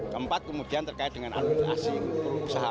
keempat kemudian terkait dengan administrasi usaha